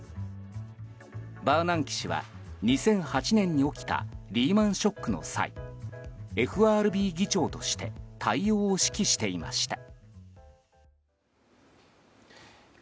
バーナンキ氏は２００８年に起きたリーマン・ショックの際ＦＲＢ議長として対応を指揮していました。